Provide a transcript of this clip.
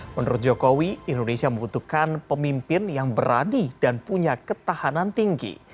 menurut jokowi indonesia membutuhkan pemimpin yang berani dan punya ketahanan tinggi